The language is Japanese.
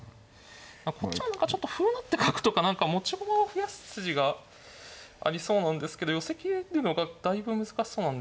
こっちも何かちょっと歩を成って角とか何か持ち駒を増やす筋がありそうなんですけど寄せきれるのかだいぶ難しそうなんで。